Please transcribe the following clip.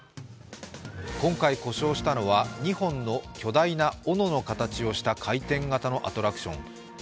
今回、故障したのは、２本の巨大なおのの形をした回転型アトラクション。